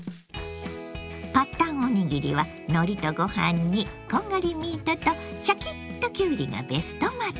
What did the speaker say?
パッタンおにぎりはのりとご飯にこんがりミートとシャキッときゅうりがベストマッチ。